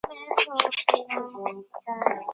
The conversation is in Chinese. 参展团队简介